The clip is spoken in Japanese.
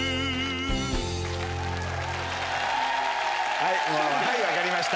はい、分かりました。